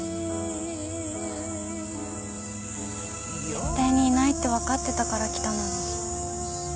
絶対にいないって分かってたから来たのに。